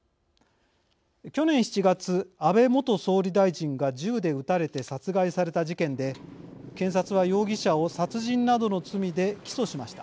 去年７月、安倍元総理大臣が銃で撃たれて殺害された事件で検察は容疑者を殺人などの罪で起訴しました。